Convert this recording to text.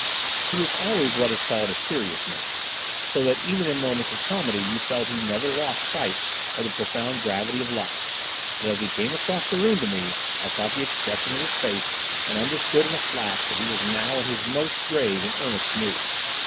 He was always what is called a serious man, so that even in moments of comedy you felt he never lost sight of the profound gravity of life, but as he came across the room to me I caught the expression of his face and understood in a flash that he was now in his most grave and earnest mood.